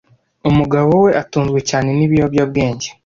Umugabo we atunzwe cyane nibiyobyabwenge.